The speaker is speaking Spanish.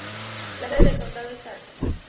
La sede del condado es Arco.